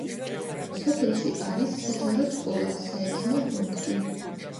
სოფელში არის საჯარო სკოლა, საექიმო პუნქტი.